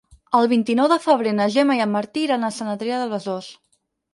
El vint-i-nou de febrer na Gemma i en Martí iran a Sant Adrià de Besòs.